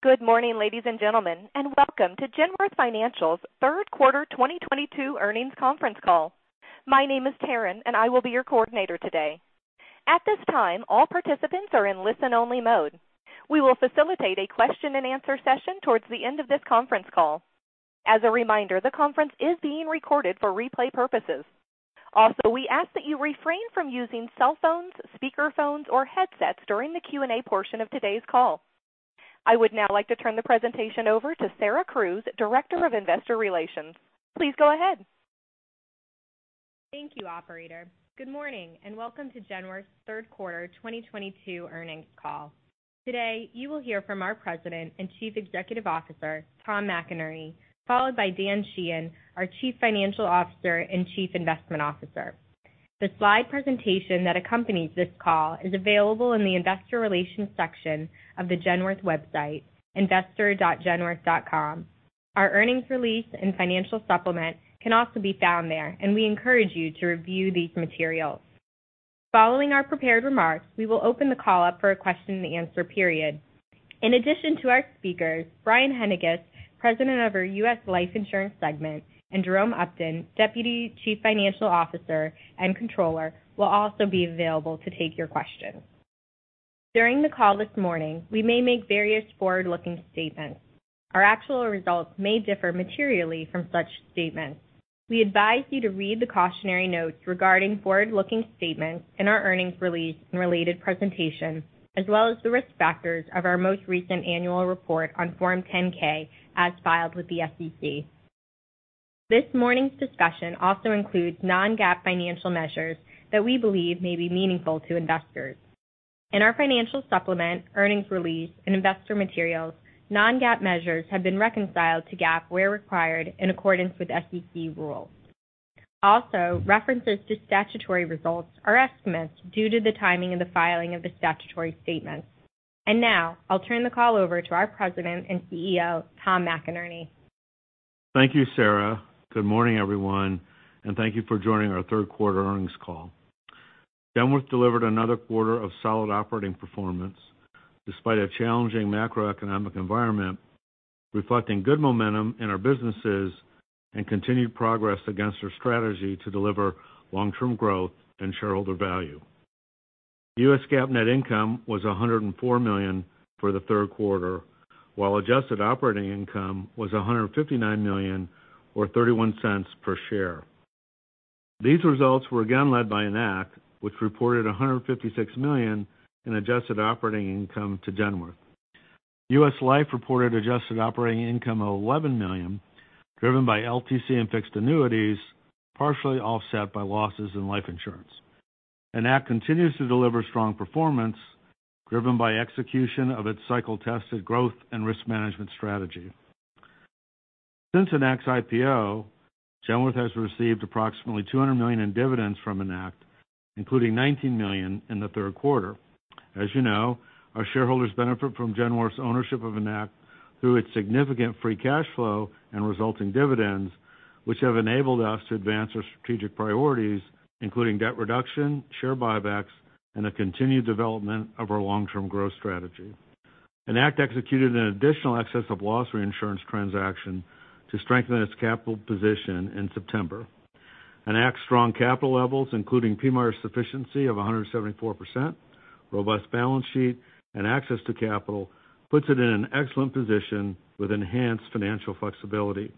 Good morning, ladies and gentlemen, and welcome to Genworth Financial's third quarter 2022 earnings conference call. My name is Taryn, and I will be your coordinator today. At this time, all participants are in listen-only mode. We will facilitate a question-and-answer session towards the end of this conference call. As a reminder, the conference is being recorded for replay purposes. Also, we ask that you refrain from using cell phones, speakerphones, or headsets during the Q&A portion of today's call. I would now like to turn the presentation over to Sarah Crews, Director of Investor Relations. Please go ahead. Thank you, operator. Good morning, and welcome to Genworth's third quarter 2022 earnings call. Today, you will hear from our President and Chief Executive Officer, Tom McInerney, followed by Dan Sheehan, our Chief Financial Officer and Chief Investment Officer. The slide presentation that accompanies this call is available in the investor relations section of the Genworth website, investor.genworth.com. Our earnings release and financial supplement can also be found there, and we encourage you to review these materials. Following our prepared remarks, we will open the call up for a question and answer period. In addition to our speakers, Brian Haendiges, President of our US Life Insurance segment, and Jerome Upton, Deputy Chief Financial Officer and Controller, will also be available to take your questions. During the call this morning, we may make various forward-looking statements. Our actual results may differ materially from such statements. We advise you to read the cautionary notes regarding forward-looking statements in our earnings release and related presentations, as well as the risk factors of our most recent annual report on Form 10-K as filed with the SEC. This morning's discussion also includes non-GAAP financial measures that we believe may be meaningful to investors. In our financial supplement, earnings release, and investor materials, non-GAAP measures have been reconciled to GAAP where required in accordance with SEC rules. Also, references to statutory results are estimates due to the timing and the filing of the statutory statements. Now I'll turn the call over to our President and CEO, Tom McInerney. Thank you, Sarah. Good morning, everyone, and thank you for joining our third quarter earnings call. Genworth delivered another quarter of solid operating performance despite a challenging macroeconomic environment, reflecting good momentum in our businesses and continued progress against our strategy to deliver long-term growth and shareholder value. U.S. GAAP net income was $104 million for the third quarter, while adjusted operating income was $159 million or $0.31 per share. These results were again led by Enact, which reported $156 million in adjusted operating income to Genworth. U.S. Life reported adjusted operating income of $11 million, driven by LTC and fixed annuities, partially offset by losses in life insurance. Enact continues to deliver strong performance driven by execution of its cycle-tested growth and risk management strategy. Since Enact's IPO, Genworth has received approximately $200 million in dividends from Enact, including $19 million in the third quarter. As you know, our shareholders benefit from Genworth's ownership of Enact through its significant free cash flow and resulting dividends, which have enabled us to advance our strategic priorities, including debt reduction, share buybacks, and the continued development of our long-term growth strategy. Enact executed an additional excess of loss reinsurance transaction to strengthen its capital position in September. Enact's strong capital levels, including primary sufficiency of 174%, robust balance sheet, and access to capital, puts it in an excellent position with enhanced financial flexibility.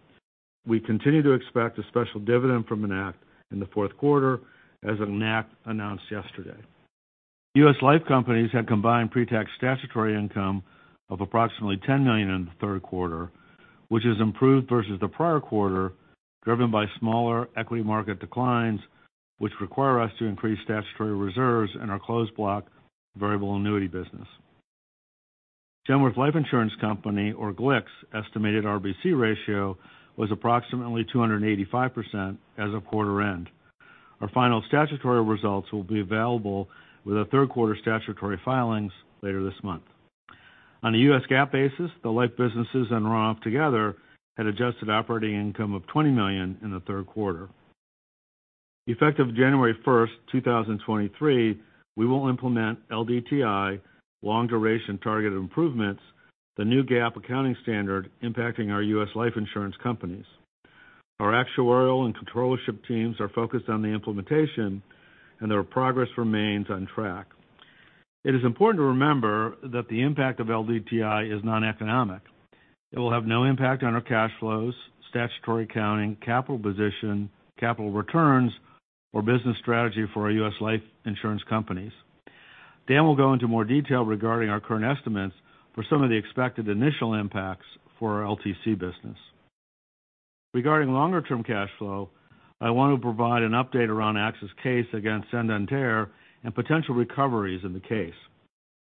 We continue to expect a special dividend from Enact in the fourth quarter as Enact announced yesterday. U.S. Life Companies had combined pre-tax statutory income of approximately $10 million in the third quarter, which has improved versus the prior quarter, driven by smaller equity market declines, which require us to increase statutory reserves in our closed block variable annuity business. Genworth Life Insurance Company, or GLIC's estimated RBC ratio, was approximately 285% as of quarter end. Our final statutory results will be available with our third quarter statutory filings later this month. On a U.S. GAAP basis, the life businesses and Runoff together had adjusted operating income of $20 million in the third quarter. Effective January 1, 2023, we will implement LDTI, long-duration targeted improvements, the new GAAP accounting standard impacting our U.S. life insurance companies. Our actuarial and controllership teams are focused on the implementation, and their progress remains on track. It is important to remember that the impact of LDTI is noneconomic. It will have no impact on our cash flows, statutory accounting, capital position, capital returns, or business strategy for our U.S. Life Insurance companies. Dan will go into more detail regarding our current estimates for some of the expected initial impacts for our LTC business. Regarding longer term cash flow, I want to provide an update around AXA's case against Santander and potential recoveries in the case.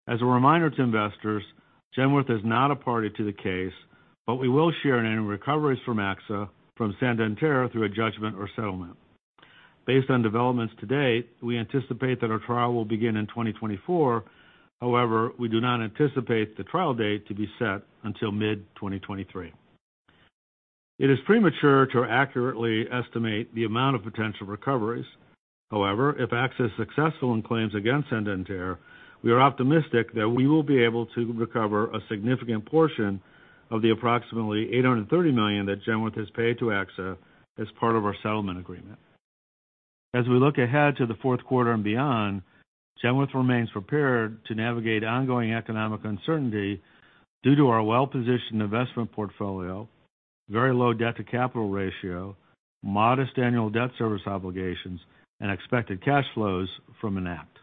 As a reminder to investors, Genworth is not a party to the case, but we will share in any recoveries from AXA from Santander through a judgment or settlement. Based on developments to date, we anticipate that our trial will begin in 2024. However, we do not anticipate the trial date to be set until mid-2023. It is premature to accurately estimate the amount of potential recoveries. However, if AXA is successful in claims against Santander, we are optimistic that we will be able to recover a significant portion of the approximately $830 million that Genworth has paid to AXA as part of our settlement agreement. As we look ahead to the fourth quarter and beyond, Genworth remains prepared to navigate ongoing economic uncertainty due to our well-positioned investment portfolio, very low debt-to-capital ratio, modest annual debt service obligations, and expected cash flows from Enact.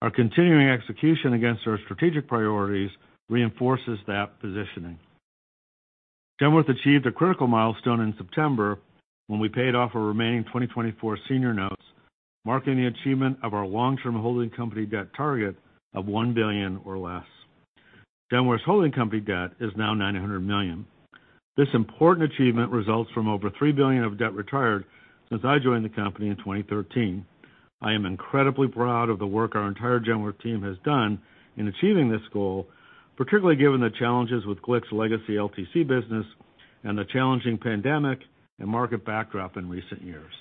Our continuing execution against our strategic priorities reinforces that positioning. Genworth achieved a critical milestone in September when we paid off our remaining 2024 senior notes, marking the achievement of our long-term holding company debt target of $1 billion or less. Genworth's holding company debt is now $900 million. This important achievement results from over $3 billion of debt retired since I joined the company in 2013. I am incredibly proud of the work our entire Genworth team has done in achieving this goal, particularly given the challenges with GLIC's legacy LTC business and the challenging pandemic and market backdrop in recent years.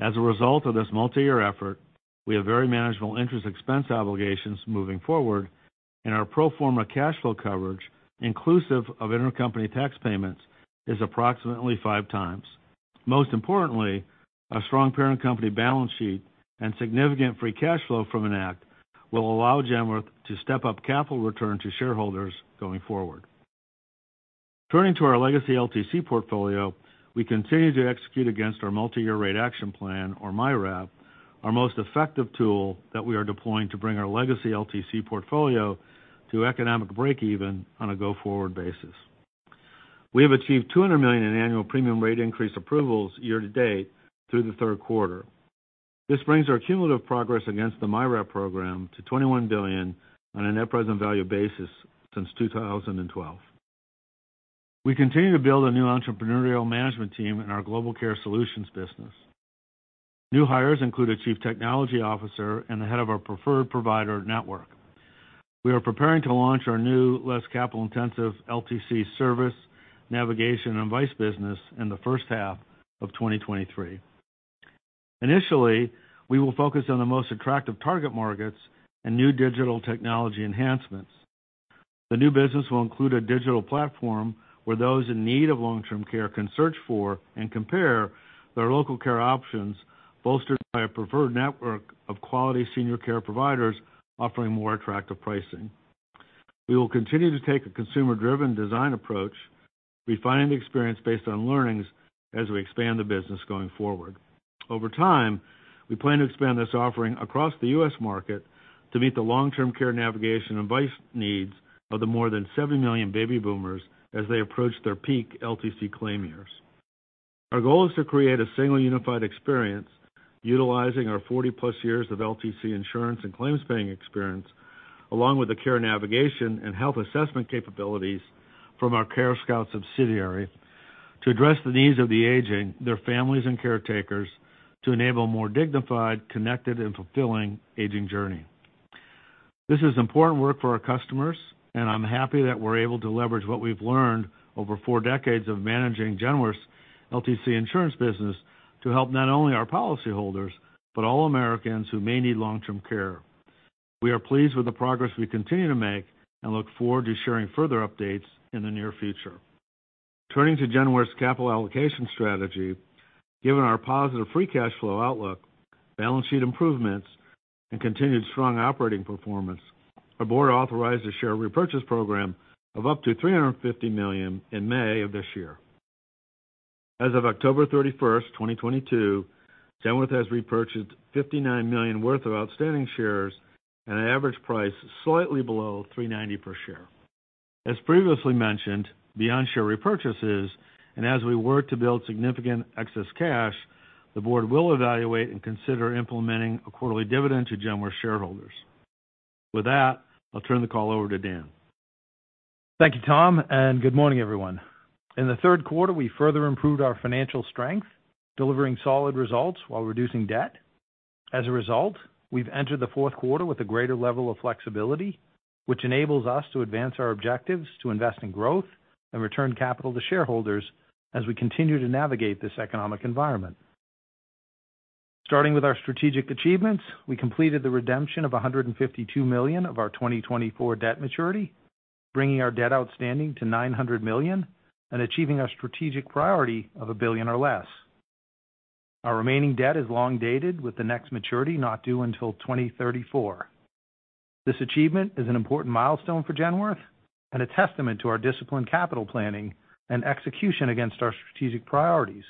As a result of this multi-year effort, we have very manageable interest expense obligations moving forward, and our pro forma cash flow coverage, inclusive of intercompany tax payments, is approximately 5 times. Most importantly, our strong parent company balance sheet and significant free cash flow from Enact will allow Genworth to step up capital return to shareholders going forward. Turning to our legacy LTC portfolio, we continue to execute against our multi-year rate action plan, or MYRAP, our most effective tool that we are deploying to bring our legacy LTC portfolio to economic breakeven on a go-forward basis. We have achieved $200 million in annual premium rate increase approvals year to date through the third quarter. This brings our cumulative progress against the MYRAP program to $21 billion on a net present value basis since 2012. We continue to build a new entrepreneurial management team in our Global Care Solutions business. New hires include a chief technology officer and the head of our preferred provider network. We are preparing to launch our new, less capital-intensive LTC service, navigation, and advice business in the first half of 2023. Initially, we will focus on the most attractive target markets and new digital technology enhancements. The new business will include a digital platform where those in need of long-term care can search for and compare their local care options, bolstered by a preferred network of quality senior care providers offering more attractive pricing. We will continue to take a consumer-driven design approach, refining the experience based on learnings as we expand the business going forward. Over time, we plan to expand this offering across the U.S. market to meet the long-term care navigation advice needs of the more than 70 million baby boomers as they approach their peak LTC claim years. Our goal is to create a single unified experience utilizing our 40-plus years of LTC insurance and claims paying experience, along with the care navigation and health assessment capabilities from our CareScout subsidiary to address the needs of the aging, their families, and caretakers to enable more dignified, connected, and fulfilling aging journey. This is important work for our customers, and I'm happy that we're able to leverage what we've learned over four decades of managing Genworth's LTC insurance business to help not only our policyholders, but all Americans who may need long-term care. We are pleased with the progress we continue to make and look forward to sharing further updates in the near future. Turning to Genworth's capital allocation strategy, given our positive free cash flow outlook, balance sheet improvements, and continued strong operating performance, our board authorized a share repurchase program of up to $350 million in May of this year. As of October 31, 2022, Genworth has repurchased $59 million worth of outstanding shares at an average price slightly below $3.90 per share. As previously mentioned, beyond share repurchases, and as we work to build significant excess cash, the board will evaluate and consider implementing a quarterly dividend to Genworth shareholders. With that, I'll turn the call over to Dan. Thank you, Tom, and good morning, everyone. In the third quarter, we further improved our financial strength, delivering solid results while reducing debt. As a result, we've entered the fourth quarter with a greater level of flexibility, which enables us to advance our objectives to invest in growth and return capital to shareholders as we continue to navigate this economic environment. Starting with our strategic achievements, we completed the redemption of $152 million of our 2024 debt maturity, bringing our debt outstanding to $900 million and achieving our strategic priority of $1 billion or less. Our remaining debt is long dated, with the next maturity not due until 2034. This achievement is an important milestone for Genworth and a testament to our disciplined capital planning and execution against our strategic priorities.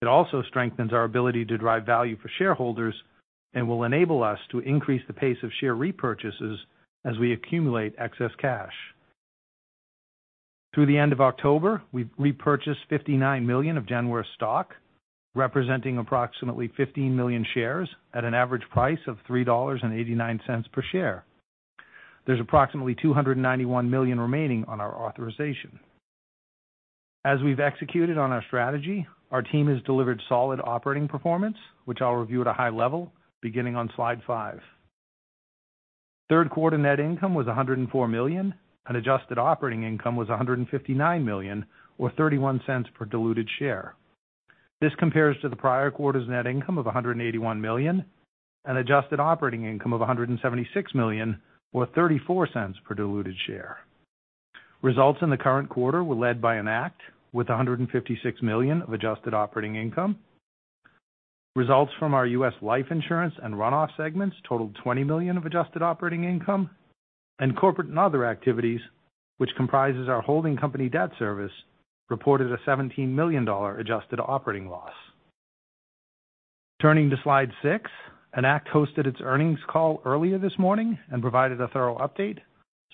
It also strengthens our ability to drive value for shareholders and will enable us to increase the pace of share repurchases as we accumulate excess cash. Through the end of October, we've repurchased $59 million of Genworth stock, representing approximately 15 million shares at an average price of $3.89 per share. There's approximately $291 million remaining on our authorization. As we've executed on our strategy, our team has delivered solid operating performance, which I'll review at a high level beginning on slide 5. Third quarter net income was $104 million, and adjusted operating income was $159 million, or $0.31 per diluted share. This compares to the prior quarter's net income of $181 million and adjusted operating income of $176 million, or $0.34 per diluted share. Results in the current quarter were led by Enact, with $156 million of adjusted operating income. Results from our US Life Insurance and Run-off segments totaled $20 million of adjusted operating income, and Corporate and Other activities, which comprises our holding company debt service, reported a $17 million dollar adjusted operating loss. Turning to slide 6, Enact hosted its earnings call earlier this morning and provided a thorough update,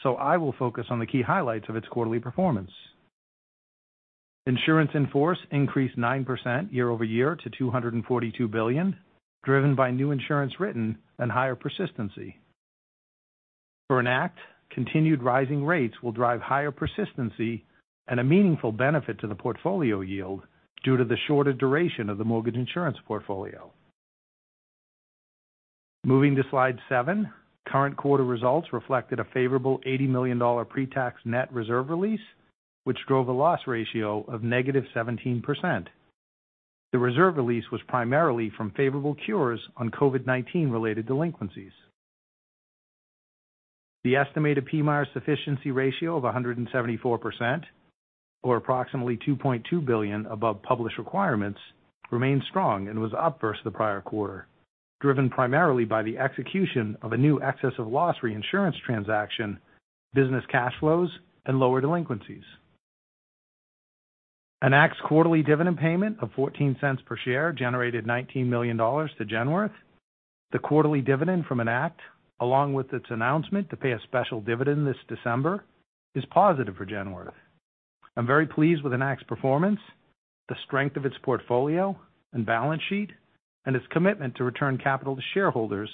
so I will focus on the key highlights of its quarterly performance. Insurance in force increased 9% year-over-year to $242 billion, driven by new insurance written and higher persistency. For Enact, continued rising rates will drive higher persistency and a meaningful benefit to the portfolio yield due to the shorter duration of the mortgage insurance portfolio. Moving to slide seven, current quarter results reflected a favorable $80 million pre-tax net reserve release, which drove a loss ratio of -17%. The reserve release was primarily from favorable cures on COVID-19 related delinquencies. The estimated PMIER sufficiency ratio of 174%, or approximately $2.2 billion above published requirements, remained strong and was up versus the prior quarter, driven primarily by the execution of a new excess of loss reinsurance transaction, business cash flows, and lower delinquencies. Enact's quarterly dividend payment of $0.14 per share generated $19 million to Genworth. The quarterly dividend from Enact, along with its announcement to pay a special dividend this December, is positive for Genworth. I'm very pleased with Enact's performance, the strength of its portfolio and balance sheet, and its commitment to return capital to shareholders,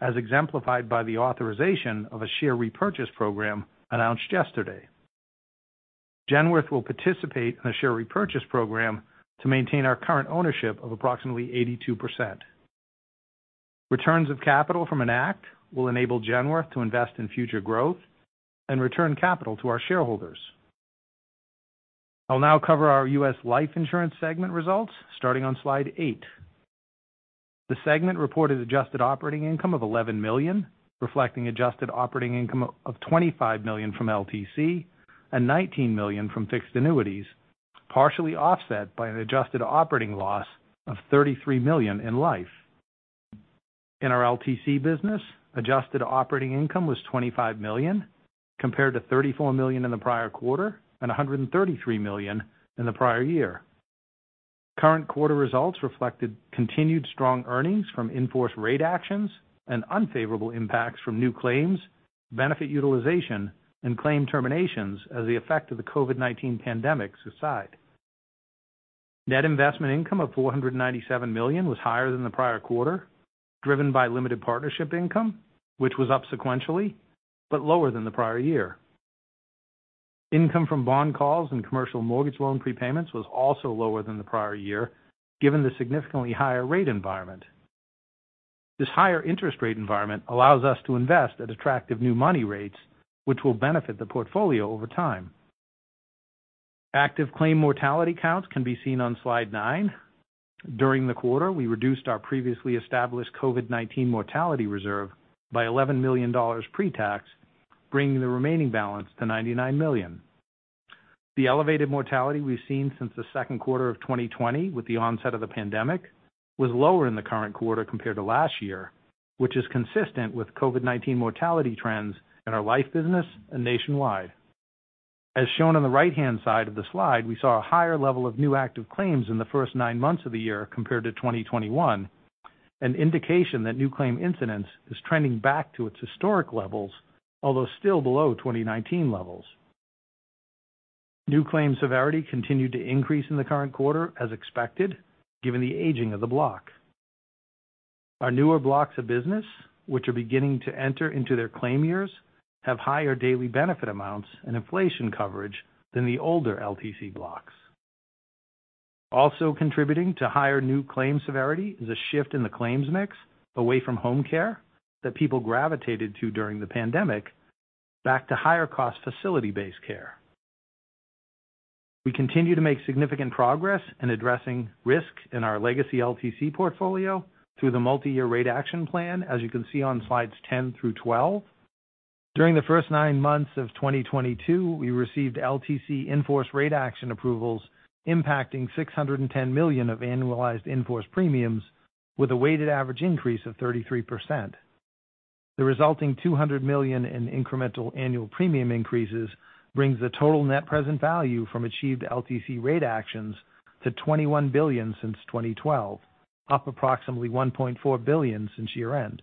as exemplified by the authorization of a share repurchase program announced yesterday. Genworth will participate in a share repurchase program to maintain our current ownership of approximately 82%. Returns of capital from Enact will enable Genworth to invest in future growth and return capital to our shareholders. I'll now cover our U.S. Life Insurance segment results starting on slide 8. The segment reported adjusted operating income of $11 million, reflecting adjusted operating income of $25 million from LTC and $19 million from fixed annuities, partially offset by an adjusted operating loss of $33 million in Life. In our LTC business, adjusted operating income was $25 million, compared to $34 million in the prior quarter and $133 million in the prior year. Current quarter results reflected continued strong earnings from in-force rate actions and unfavorable impacts from new claims, benefit utilization, and claim terminations as the effect of the COVID-19 pandemic subside. Net investment income of $497 million was higher than the prior quarter, driven by limited partnership income, which was up sequentially, but lower than the prior year. Income from bond calls and commercial mortgage loan prepayments was also lower than the prior year, given the significantly higher rate environment. This higher interest rate environment allows us to invest at attractive new money rates, which will benefit the portfolio over time. Active claim mortality counts can be seen on slide 9. During the quarter, we reduced our previously established COVID-19 mortality reserve by $11 million pre-tax, bringing the remaining balance to $99 million. The elevated mortality we've seen since the second quarter of 2020 with the onset of the pandemic was lower in the current quarter compared to last year, which is consistent with COVID-19 mortality trends in our Life business and nationwide. As shown on the right-hand side of the slide, we saw a higher level of new active claims in the first nine months of the year compared to 2021, an indication that new claim incidence is trending back to its historic levels, although still below 2019 levels. New claim severity continued to increase in the current quarter as expected, given the aging of the block. Our newer blocks of business, which are beginning to enter into their claim years, have higher daily benefit amounts and inflation coverage than the older LTC blocks. Also contributing to higher new claim severity is a shift in the claims mix away from home care that people gravitated to during the pandemic back to higher cost facility-based care. We continue to make significant progress in addressing risk in our legacy LTC portfolio through the multi-year rate action plan, as you can see on slides 10 through 12. During the first 9 months of 2022, we received LTC in-force rate action approvals impacting $610 million of annualized in-force premiums with a weighted average increase of 33%. The resulting $200 million in incremental annual premium increases brings the total net present value from achieved LTC rate actions to $21 billion since 2012, up approximately $1.4 billion since year-end.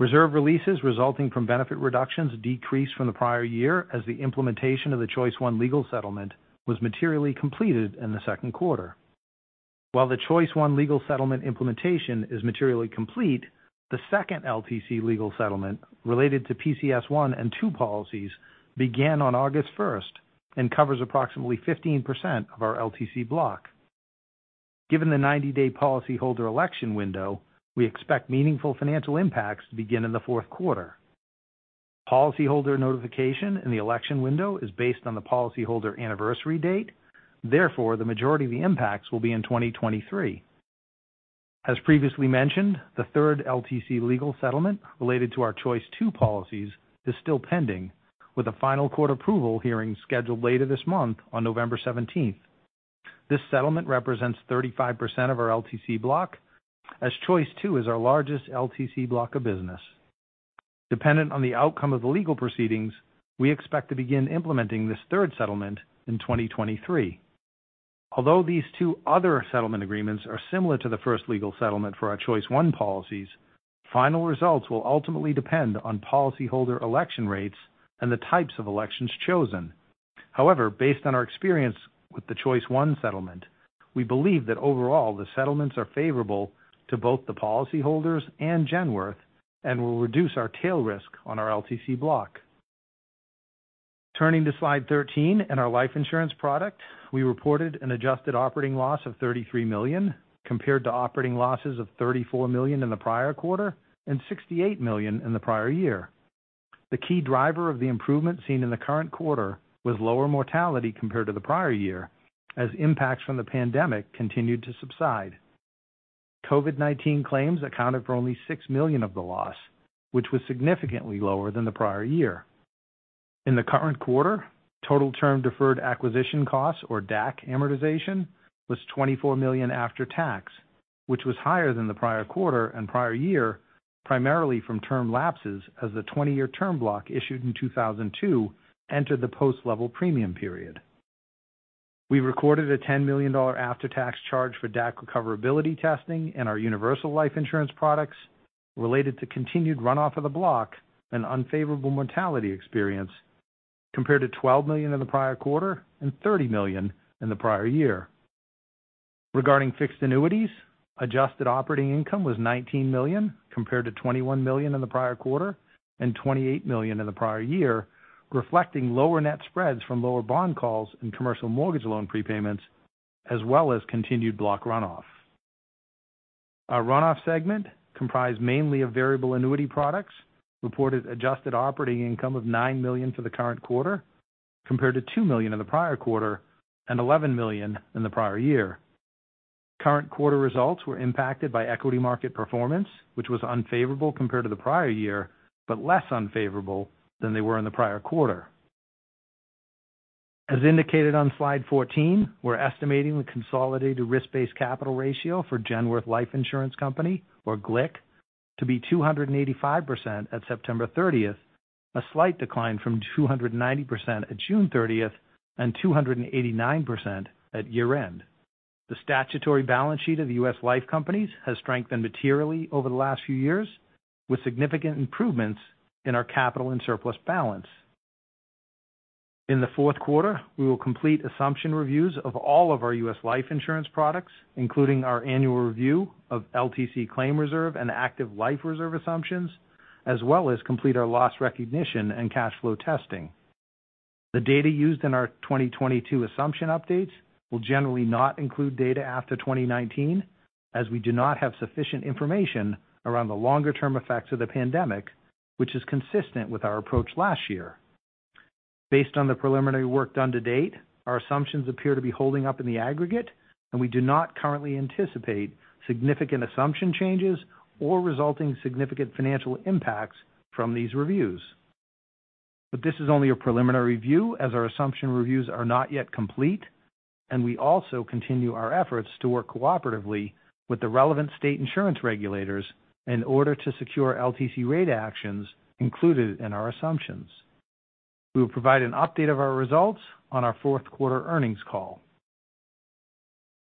Reserve releases resulting from benefit reductions decreased from the prior year as the implementation of the Choice I legal settlement was materially completed in the second quarter. While the Choice I legal settlement implementation is materially complete, the second LTC legal settlement related to PCS1 and PCS2 policies began on August 1 and covers approximately 15% of our LTC block. Given the 90-day policyholder election window, we expect meaningful financial impacts to begin in the fourth quarter. Policyholder notification in the election window is based on the policyholder anniversary date. Therefore, the majority of the impacts will be in 2023. As previously mentioned, the third LTC legal settlement related to our Choice II policies is still pending, with a final court approval hearing scheduled later this month on November 17. This settlement represents 35% of our LTC block, as Choice II is our largest LTC block of business. Dependent on the outcome of the legal proceedings, we expect to begin implementing this third settlement in 2023. Although these two other settlement agreements are similar to the first legal settlement for our Choice I policies, final results will ultimately depend on policyholder election rates and the types of elections chosen. However, based on our experience with the Choice I settlement, we believe that overall, the settlements are favorable to both the policyholders and Genworth and will reduce our tail risk on our LTC block. Turning to Slide 13 in our life insurance product, we reported an adjusted operating loss of $33 million, compared to operating losses of $34 million in the prior quarter and $68 million in the prior year. The key driver of the improvement seen in the current quarter was lower mortality compared to the prior year, as impacts from the pandemic continued to subside. COVID-19 claims accounted for only $6 million of the loss, which was significantly lower than the prior year. In the current quarter, total term deferred acquisition costs, or DAC amortization, was $24 million after tax, which was higher than the prior quarter and prior year, primarily from term lapses as the twenty-year term block issued in 2002 entered the post level premium period. We recorded a $10 million after-tax charge for DAC recoverability testing in our universal life insurance products related to continued runoff of the block and unfavorable mortality experience, compared to $12 million in the prior quarter and $30 million in the prior year. Regarding fixed annuities, adjusted operating income was $19 million, compared to $21 million in the prior quarter and $28 million in the prior year, reflecting lower net spreads from lower bond calls and commercial mortgage loan prepayments, as well as continued block runoff. Our runoff segment, comprised mainly of variable annuity products, reported adjusted operating income of $9 million for the current quarter, compared to $2 million in the prior quarter and $11 million in the prior year. Current quarter results were impacted by equity market performance, which was unfavorable compared to the prior year, but less unfavorable than they were in the prior quarter. As indicated on slide 14, we're estimating the consolidated risk-based capital ratio for Genworth Life Insurance Company, or GLIC, to be 285% at September 30, a slight decline from 290% at June 30 and 289% at year-end. The statutory balance sheet of the US Life companies has strengthened materially over the last few years, with significant improvements in our capital and surplus balance. In the fourth quarter, we will complete assumption reviews of all of our US Life insurance products, including our annual review of LTC claim reserve and active life reserve assumptions, as well as complete our loss recognition and cash flow testing. The data used in our 2022 assumption updates will generally not include data after 2019, as we do not have sufficient information around the longer-term effects of the pandemic, which is consistent with our approach last year. Based on the preliminary work done to date, our assumptions appear to be holding up in the aggregate, and we do not currently anticipate significant assumption changes or resulting significant financial impacts from these reviews. This is only a preliminary review, as our assumption reviews are not yet complete, and we also continue our efforts to work cooperatively with the relevant state insurance regulators in order to secure LTC rate actions included in our assumptions. We will provide an update of our results on our fourth quarter earnings call.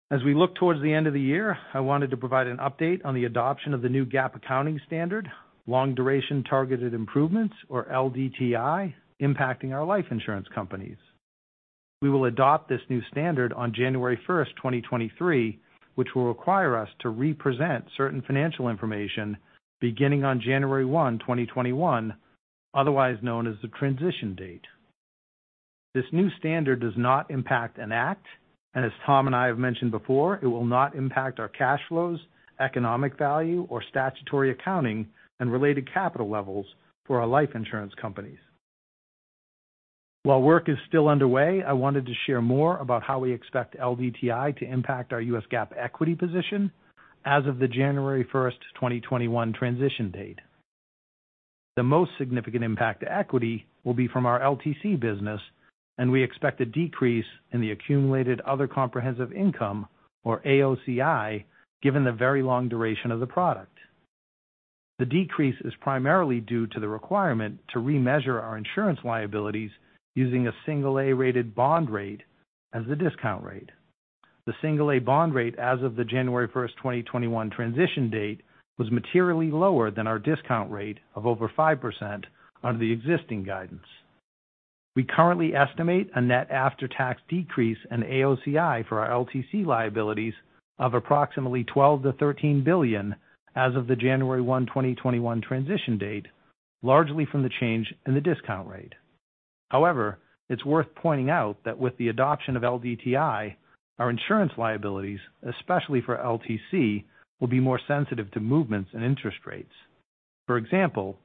As we look towards the end of the year, I wanted to provide an update on the adoption of the new GAAP accounting standard, Long Duration Targeted Improvements, or LDTI, impacting our life insurance companies. We will adopt this new standard on January 1, 2023, which will require us to represent certain financial information beginning on January 1, 2021, otherwise known as the transition date. This new standard does not impact Enact, and as Tom and I have mentioned before, it will not impact our cash flows, economic value, or statutory accounting and related capital levels for our life insurance companies. While work is still underway, I wanted to share more about how we expect LDTI to impact our U.S. GAAP equity position as of the January 1, 2021 transition date. The most significant impact to equity will be from our LTC business, and we expect a decrease in the accumulated other comprehensive income, or AOCI, given the very long duration of the product. The decrease is primarily due to the requirement to remeasure our insurance liabilities using a single A-rated bond rate as the discount rate. The single A bond rate as of the January 1, 2021 transition date was materially lower than our discount rate of over 5% under the existing guidance. We currently estimate a net after-tax decrease in AOCI for our LTC liabilities of approximately $12 billion-$13 billion as of the January 1, 2021 transition date, largely from the change in the discount rate. However, it's worth pointing out that with the adoption of LDTI, our insurance liabilities, especially for LTC, will be more sensitive to movements in interest rates. For example,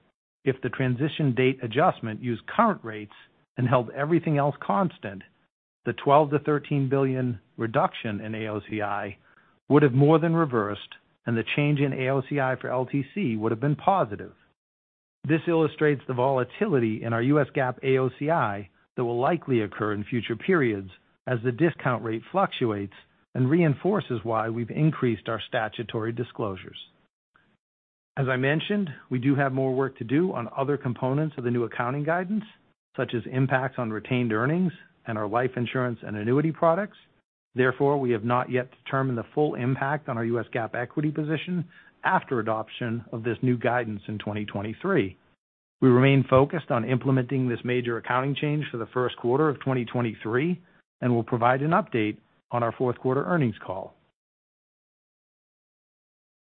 if the transition date adjustment used current rates and held everything else constant, the $12 billion-$13 billion reduction in AOCI would have more than reversed, and the change in AOCI for LTC would have been positive. This illustrates the volatility in our U.S. GAAP AOCI that will likely occur in future periods as the discount rate fluctuates and reinforces why we've increased our statutory disclosures. As I mentioned, we do have more work to do on other components of the new accounting guidance, such as impacts on retained earnings and our life insurance and annuity products. Therefore, we have not yet determined the full impact on our U.S. GAAP equity position after adoption of this new guidance in 2023. We remain focused on implementing this major accounting change for the first quarter of 2023, and we'll provide an update on our fourth quarter earnings call.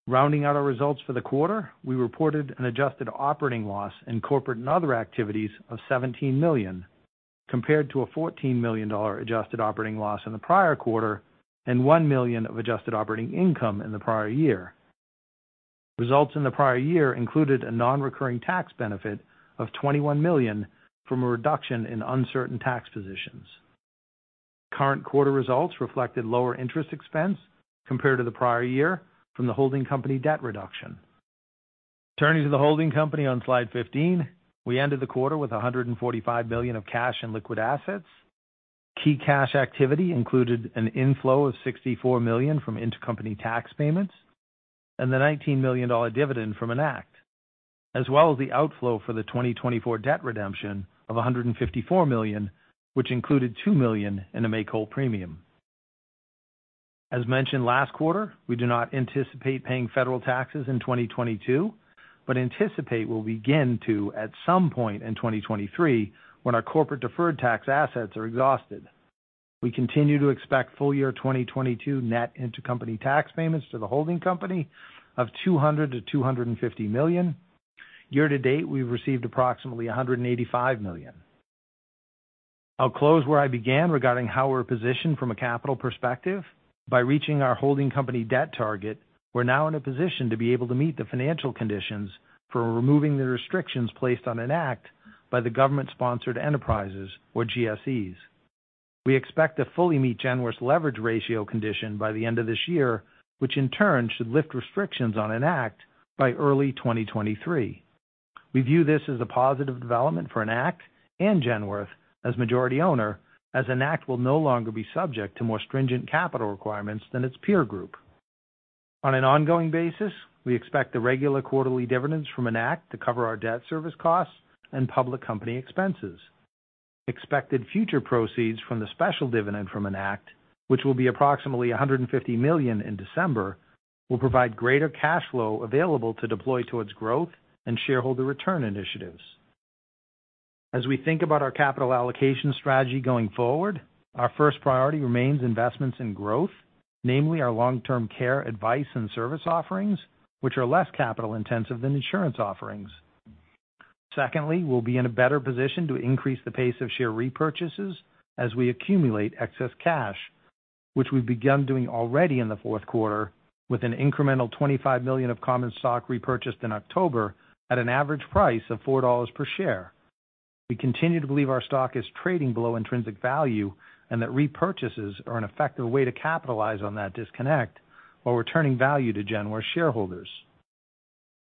Rounding out our results for the quarter, we reported an adjusted operating loss in corporate and other activities of $17 million, compared to a $14 million adjusted operating loss in the prior quarter and $1 million of adjusted operating income in the prior year. Results in the prior year included a non-recurring tax benefit of $21 million from a reduction in uncertain tax positions. Current quarter results reflected lower interest expense compared to the prior year from the holding company debt reduction. Turning to the holding company on slide 15, we ended the quarter with $145 million of cash and liquid assets. Key cash activity included an inflow of $64 million from intercompany tax payments and the $19 million dividend from Enact, as well as the outflow for the 2024 debt redemption of $154 million, which included $2 million in a make-whole premium. As mentioned last quarter, we do not anticipate paying federal taxes in 2022, but anticipate we'll begin to at some point in 2023 when our corporate deferred tax assets are exhausted. We continue to expect full year 2022 net intercompany tax payments to the holding company of $200 million-$250 million. Year to date, we've received approximately $185 million. I'll close where I began regarding how we're positioned from a capital perspective. By reaching our holding company debt target, we're now in a position to be able to meet the financial conditions for removing the restrictions placed on Enact by the government-sponsored enterprises or GSEs. We expect to fully meet Genworth's leverage ratio condition by the end of this year, which in turn should lift restrictions on Enact by early 2023. We view this as a positive development for Enact and Genworth as majority owner, as Enact will no longer be subject to more stringent capital requirements than its peer group. On an ongoing basis, we expect the regular quarterly dividends from Enact to cover our debt service costs and public company expenses. Expected future proceeds from the special dividend from Enact, which will be approximately $150 million in December, will provide greater cash flow available to deploy towards growth and shareholder return initiatives. As we think about our capital allocation strategy going forward, our first priority remains investments in growth, namely our long-term care advice and service offerings, which are less capital intensive than insurance offerings. Secondly, we'll be in a better position to increase the pace of share repurchases as we accumulate excess cash, which we've begun doing already in the fourth quarter with an incremental $25 million of common stock repurchased in October at an average price of $4 per share. We continue to believe our stock is trading below intrinsic value, and that repurchases are an effective way to capitalize on that disconnect while returning value to Genworth shareholders.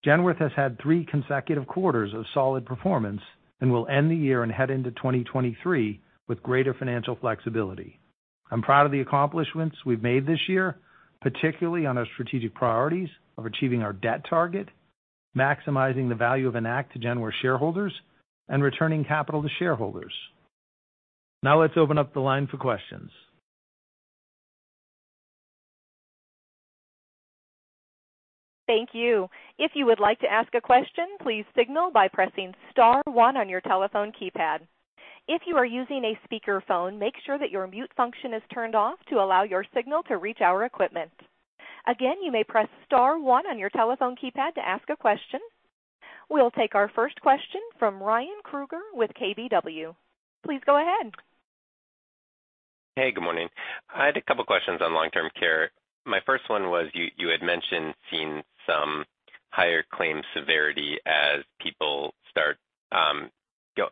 Genworth has had three consecutive quarters of solid performance and will end the year and head into 2023 with greater financial flexibility. I'm proud of the accomplishments we've made this year, particularly on our strategic priorities of achieving our debt target, maximizing the value of Enact to Genworth shareholders, and returning capital to shareholders. Now let's open up the line for questions. Thank you. If you would like to ask a question, please signal by pressing star one on your telephone keypad. If you are using a speakerphone, make sure that your mute function is turned off to allow your signal to reach our equipment. Again, you may press star one on your telephone keypad to ask a question. We'll take our first question from Ryan Krueger with KBW. Please go ahead. Hey, good morning. I had a couple questions on long-term care. My first one was you had mentioned seeing some higher claim severity as people start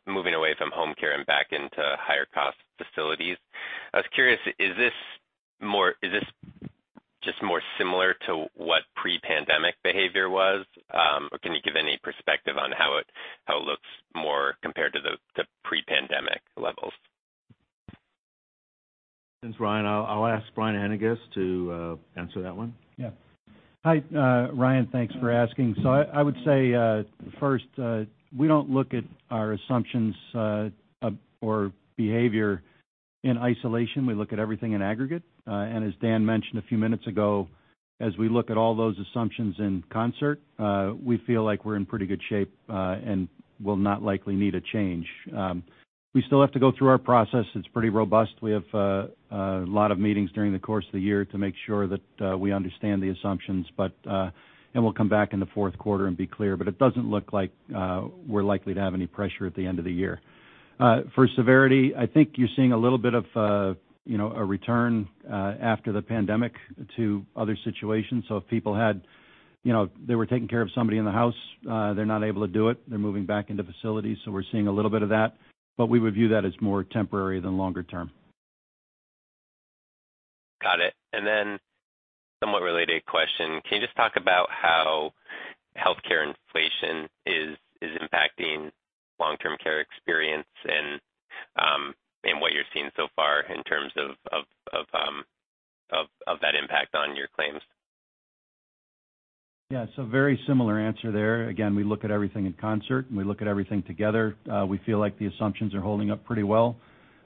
moving away from home care and back into higher cost facilities. I was curious, is this just more similar to what pre-pandemic behavior was? Or can you give any perspective on how it looks more compared to the pre-pandemic levels? Thanks, Ryan. I'll ask Brian Haendiges to answer that one. Yeah. Hi, Ryan, thanks for asking. I would say first, we don't look at our assumptions or behavior in isolation. We look at everything in aggregate. As Dan mentioned a few minutes ago, as we look at all those assumptions in concert, we feel like we're in pretty good shape and will not likely need to change. We still have to go through our process. It's pretty robust. We have a lot of meetings during the course of the year to make sure that we understand the assumptions, but and we'll come back in the fourth quarter and be clear. It doesn't look like we're likely to have any pressure at the end of the year. For severity, I think you're seeing a little bit of a, you know, a return after the pandemic to other situations. If people had, you know, they were taking care of somebody in the house, they're not able to do it, they're moving back into facilities. We're seeing a little bit of that, but we would view that as more temporary than longer term. Got it. Somewhat related question, can you just talk about how healthcare inflation is impacting long-term care experience and what you're seeing so far in terms of that impact on your claims? Yeah. Very similar answer there. Again, we look at everything in concert, and we look at everything together. We feel like the assumptions are holding up pretty well.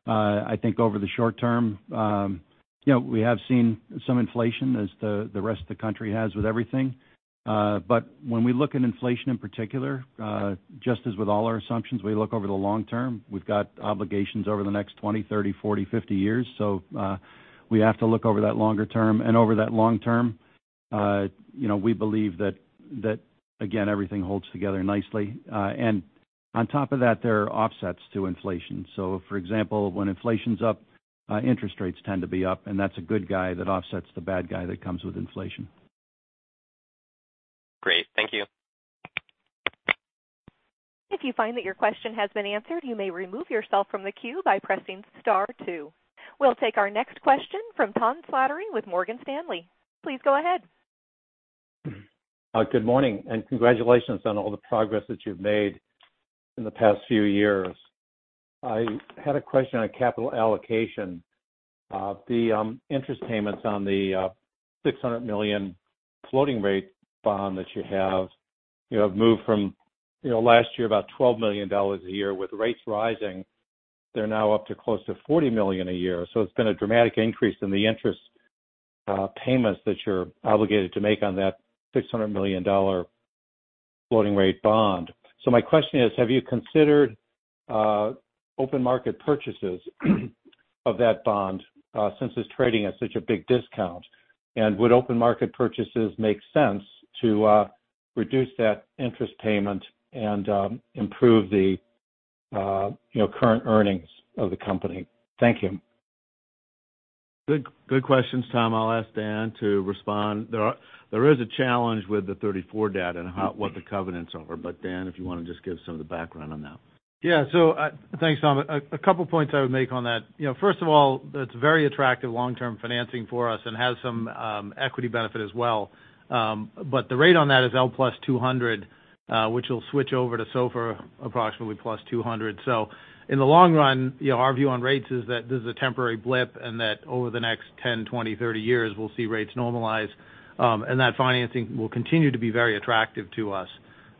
I think over the short term, you know, we have seen some inflation as the rest of the country has with everything. But when we look at inflation in particular, just as with all our assumptions, we look over the long term. We've got obligations over the next 20, 30, 40, 50 years. We have to look over that longer term. Over that long term, you know, we believe that again, everything holds together nicely. On top of that, there are offsets to inflation. For example, when inflation's up, interest rates tend to be up, and that's a good guy that offsets the bad guy that comes with inflation. Great. Thank you. If you find that your question has been answered, you may remove yourself from the queue by pressing star two. We'll take our next question from Tom Gallagher with Morgan Stanley. Please go ahead. Good morning and congratulations on all the progress that you've made in the past few years. I had a question on capital allocation. The interest payments on the $600 million floating rate bond that you have moved from, you know, last year about $12 million a year. With rates rising, they're now up to close to $40 million a year. It's been a dramatic increase in the interest payments that you're obligated to make on that $600 million floating rate bond. My question is, have you considered open market purchases of that bond since it's trading at such a big discount? Would open market purchases make sense to reduce that interest payment and improve the current earnings of the company? Thank you. Good, good questions, Tom. I'll ask Dan to respond. There is a challenge with the 34 debt and what the covenants cover. Dan, if you wanna just give some of the background on that. Yeah. Thanks, Tom. A couple points I would make on that. You know, first of all, it's very attractive long-term financing for us and has some equity benefit as well. The rate on that is L + 200, which will switch over to SOFR approximately + 200. In the long run, you know, our view on rates is that this is a temporary blip and that over the next 10, 20, 30 years, we'll see rates normalize, and that financing will continue to be very attractive to us.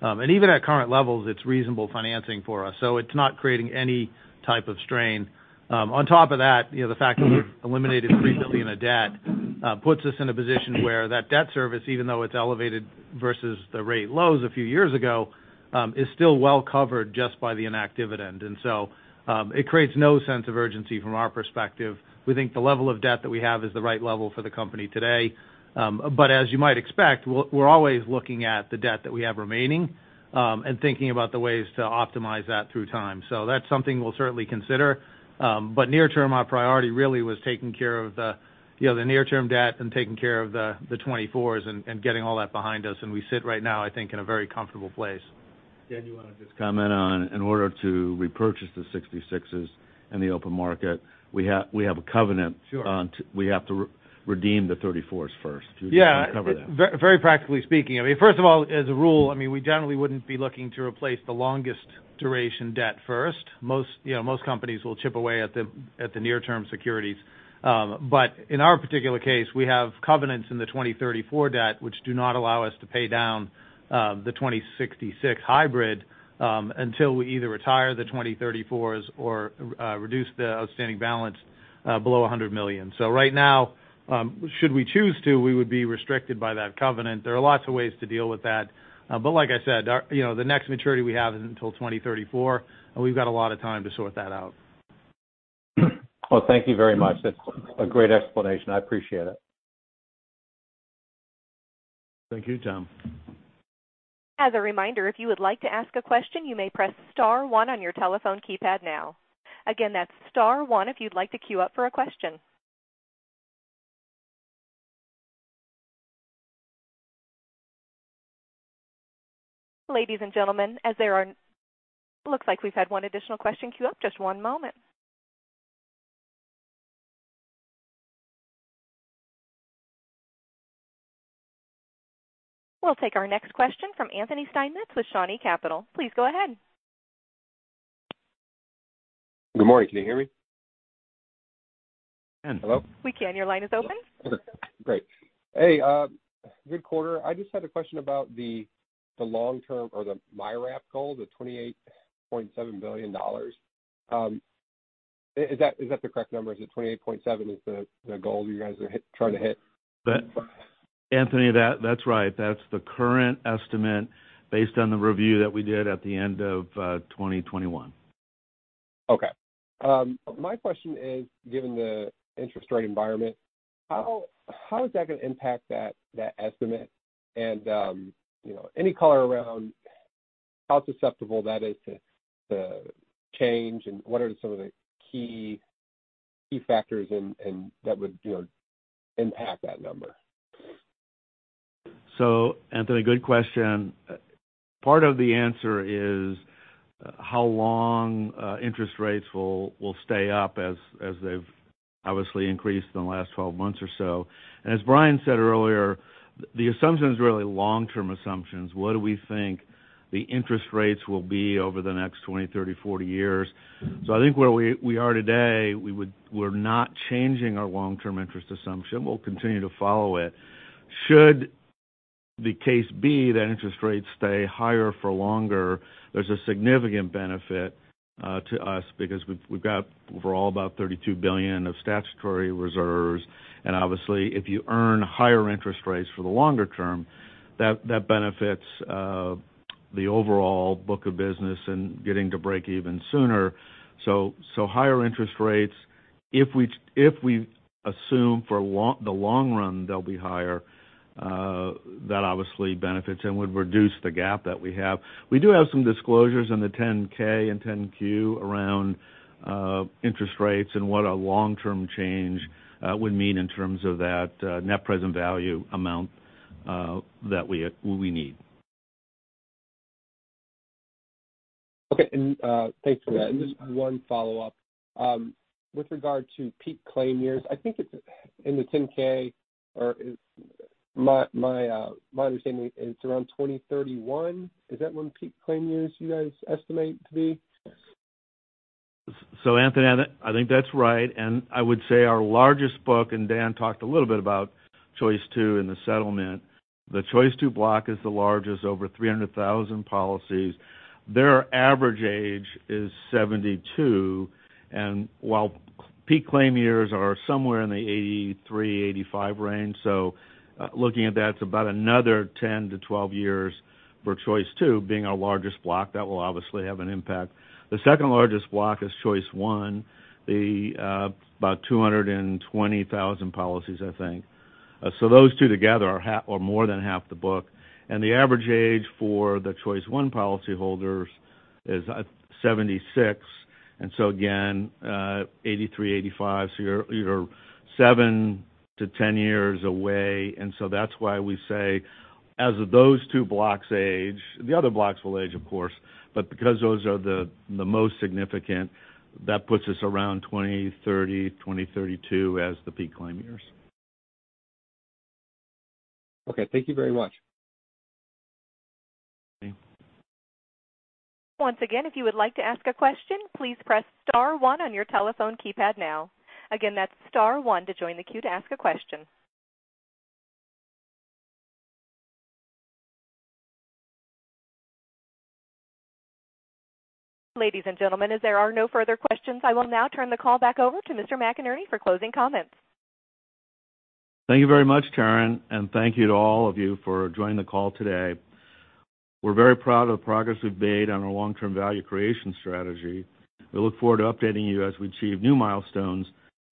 Even at current levels, it's reasonable financing for us, so it's not creating any type of strain. On top of that, you know, the fact that we've eliminated $3 billion of debt puts us in a position where that debt service, even though it's elevated versus the rate lows a few years ago, is still well-covered just by the inactive dividend. It creates no sense of urgency from our perspective. We think the level of debt that we have is the right level for the company today. But as you might expect, we're always looking at the debt that we have remaining and thinking about the ways to optimize that through time. That's something we'll certainly consider. But near term, our priority really was taking care of the, you know, the near-term debt and taking care of the 2024s and getting all that behind us. We sit right now, I think, in a very comfortable place. Dan, do you wanna just comment on, in order to repurchase the 66s in the open market, we have a covenant- Sure. We have to redeem the 34s first to cover that. Yeah. Very practically speaking, I mean, first of all, as a rule, I mean, we generally wouldn't be looking to replace the longest duration debt first. Most, you know, companies will chip away at the near-term securities. In our particular case, we have covenants in the 2034 debt, which do not allow us to pay down the 2066 hybrid until we either retire the 2034s or reduce the outstanding balance below $100 million. Right now, should we choose to, we would be restricted by that covenant. There are lots of ways to deal with that. Like I said, the next maturity we have isn't until 2034, and we've got a lot of time to sort that out. Well, thank you very much. That's a great explanation. I appreciate it. Thank you, Tom. As a reminder, if you would like to ask a question, you may press star one on your telephone keypad now. Again, that's star one if you'd like to queue up for a question. Ladies and gentlemen, looks like we've had one additional question queue up. Just one moment. We'll take our next question from Anthony Steinmetz with Shawnee Capital. Please go ahead. Good morning. Can you hear me? Yes. Hello? We can. Your line is open. Okay, great. Hey, good quarter. I just had a question about the long-term or the MYRAP goal, the $28.7 billion. Is that the correct number? Is it 28.7 is the goal you guys are trying to hit? Anthony, that's right. That's the current estimate based on the review that we did at the end of 2021. Okay. My question is, given the interest rate environment, how is that gonna impact that estimate? You know, any color around how susceptible that is to change, and what are some of the key factors and that would, you know, impact that number? Anthony Steinmetz, good question. Part of the answer is how long interest rates will stay up as they've obviously increased in the last 12 months or so. As Brian Haendiges said earlier, the assumption is really long-term assumptions. What do we think the interest rates will be over the next 20, 30, 40 years? I think where we are today, we're not changing our long-term interest assumption. We'll continue to follow it. Should the case be that interest rates stay higher for longer, there's a significant benefit to us because we've got overall about $32 billion of statutory reserves. Obviously, if you earn higher interest rates for the longer term, that benefits the overall book of business in getting to break even sooner. Higher interest rates, if we assume for the long run, they'll be higher, that obviously benefits and would reduce the gap that we have. We do have some disclosures in the 10-K and 10-Q around interest rates and what a long-term change would mean in terms of that net present value amount that we need. Okay. Thanks for that. Just one follow-up. With regard to peak claim years, I think it's in the 10-K or is my understanding it's around 2031. Is that when peak claim years you guys estimate to be? Anthony, I think that's right. I would say our largest book, and Dan talked a little bit about Choice II in the settlement. The Choice II block is the largest, over 300,000 policies. Their average age is 72. While peak claim years are somewhere in the 83-85 range. Looking at that, it's about another 10-12 years for Choice II being our largest block. That will obviously have an impact. The second-largest block is Choice I, about 220,000 policies, I think. Those two together are more than half the book, and the average age for the Choice I policyholders is at 76. Again, 83-85. You're seven to 10 years away. That's why we say as those two blocks age, the other blocks will age, of course, but because those are the most significant, that puts us around 2030, 2032 as the peak claim years. Okay. Thank you very much. Okay. Once again, if you would like to ask a question, please press star one on your telephone keypad now. Again, that's star one to join the queue to ask a question. Ladies and gentlemen, as there are no further questions, I will now turn the call back over to Mr. McInerney for closing comments. Thank you very much, Taryn, and thank you to all of you for joining the call today. We're very proud of the progress we've made on our long-term value creation strategy. We look forward to updating you as we achieve new milestones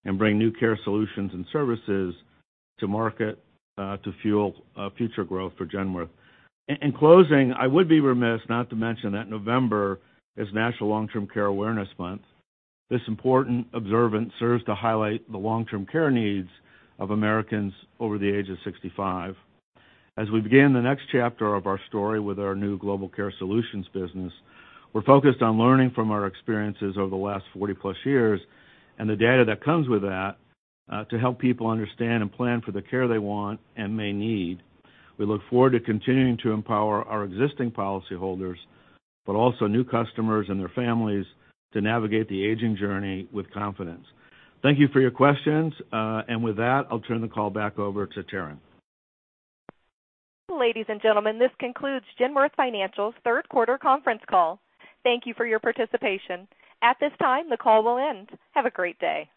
and bring new care solutions and services to market to fuel future growth for Genworth. In closing, I would be remiss not to mention that November is National Long-Term Care Awareness Month. This important observance serves to highlight the long-term care needs of Americans over the age of 65. As we begin the next chapter of our story with our new Global Care Solutions business, we're focused on learning from our experiences over the last 40-plus years and the data that comes with that to help people understand and plan for the care they want and may need. We look forward to continuing to empower our existing policyholders, but also new customers and their families to navigate the aging journey with confidence. Thank you for your questions. With that, I'll turn the call back over to Taryn. Ladies and gentlemen, this concludes Genworth Financial's third quarter conference call. Thank you for your participation. At this time, the call will end. Have a great day.